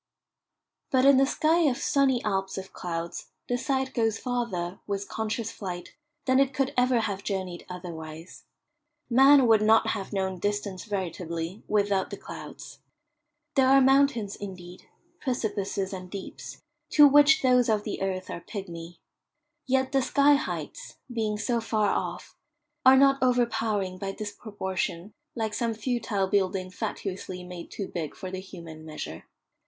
But in the sky of "sunny Alps" of clouds the sight goes farther, with conscious flight, than it could ever have journeyed otherwise. Man would not have known distance veritably without the clouds. There are mountains indeed, precipices and deeps, to which those of the earth are pigmy. Yet the sky heights, being so far off, are not overpowering by disproportion, like some futile building fatuously made too big for the human measure.